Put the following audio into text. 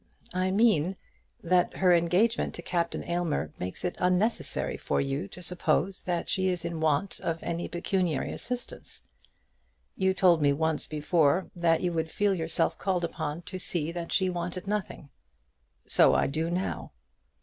"I mean that her engagement to Captain Aylmer makes it unnecessary for you to suppose that she is in want of any pecuniary assistance. You told me once before that you would feel yourself called upon to see that she wanted nothing." "So I do now."